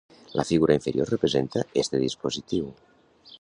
La figura inferior representa este dispositiu.